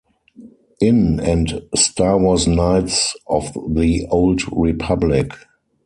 In and Star Wars Knights of the Old Republic.